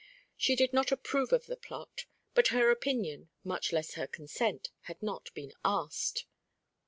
She did not approve of the plot; but her opinion, much less her consent, had not been asked.